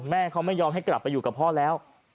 แม่เขาไม่ยอมให้กลับไปอยู่กับพ่อแล้ว